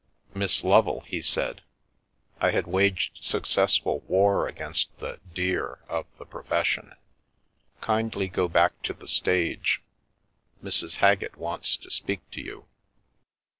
" Miss Lovel," he said (I had waged successful war against the "dear" of "the profession"), "kindly go back to the stage. Mrs. Haggett wants to speak to you."